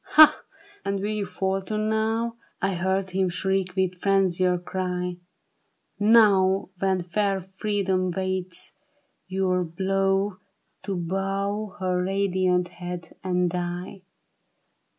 " Ha, slaves ! and will you falter now ?" I heard him shriek with frenzied cry. " Now when fair Freedom waits your blow To bow her radiant head and die